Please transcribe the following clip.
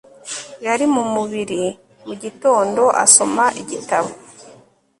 Yari mu buriri mugitondo asoma igitabo